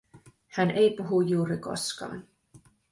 Hän ei puhu juuri koskaan.